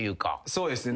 そうですね。